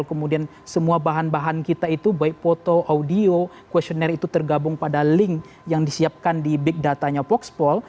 kemudian semua bahan bahan kita itu baik foto audio questionnaire itu tergabung pada link yang disiapkan di big datanya voxpol